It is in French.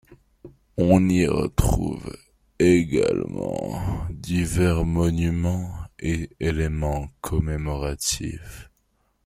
On y retrouve également divers monuments et éléments commémoratifs.